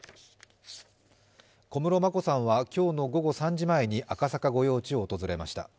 小室眞子さんは今日の午後３時前に赤坂御用地を訪れました。